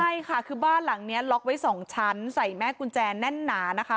ใช่ค่ะคือบ้านหลังนี้ล็อกไว้สองชั้นใส่แม่กุญแจแน่นหนานะคะ